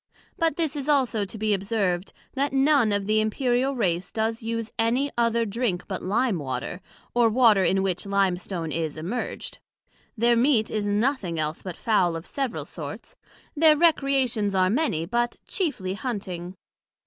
But this is also to be observed, that none of the Imperial race does use any other drink but Lime water, or water in which Lime stone is immerged; their meat is nothing else but Fowl of several sorts, their recreations are many, but chiefly Hunting.